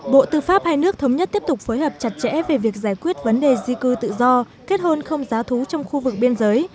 bộ tư pháp hai nước thống nhất tiếp tục phối hợp chặt chẽ về việc giải quyết vấn đề di cư tự do kết hôn không giá thú trong khu vực biên giới